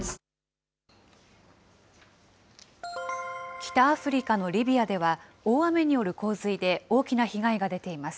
北アフリカのリビアでは、大雨による洪水で大きな被害が出ています。